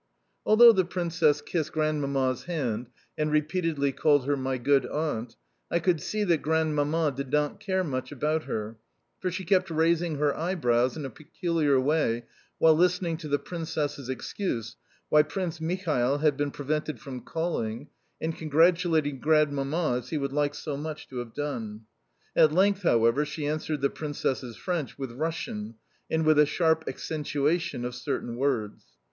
Although the Princess kissed Grandmamma's hand and repeatedly called her "my good Aunt," I could see that Grandmamma did not care much about her, for she kept raising her eyebrows in a peculiar way while listening to the Princess's excuses why Prince Michael had been prevented from calling, and congratulating Grandmamma "as he would like so much to have done." At length, however, she answered the Princess's French with Russian, and with a sharp accentuation of certain words.